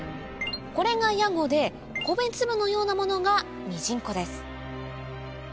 これがヤゴで米粒のようなものがミジンコです